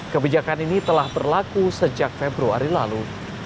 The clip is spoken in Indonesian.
kebijakan ini telah berlaku sejak februari lalu